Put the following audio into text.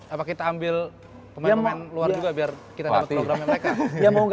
apa kita ambil pemain pemain luar juga biar kita dapat programnya mereka